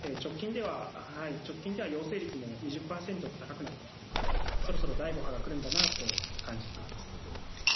直近では陽性率も２０％と高くなっていてそろそろ第５波がくるんだなと感じています。